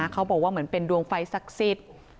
เขาบอกว่าเหมือนเป็นดวงไฟศักดิ์สิทธิ์